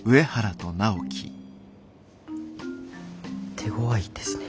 手ごわいですね。